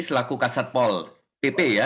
selaku ksat pol pp ya